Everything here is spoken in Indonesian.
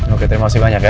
oke terima kasih banyak ya